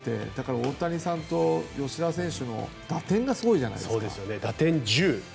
１番、２番が出て大谷さんと吉田さんの打点がすごいじゃないですか。